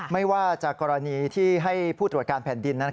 ไม่ว่าจากกรณีที่ให้ผู้ตรวจการแผ่นดิน